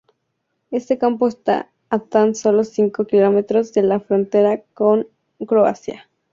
Este campo está a tan solo cinco kilómetros de la frontera con Croacia.